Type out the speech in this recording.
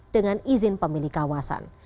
dengan izin pemilih kawasan